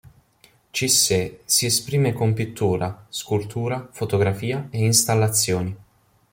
Cissé si esprime con pittura, scultura, fotografia e installazioni.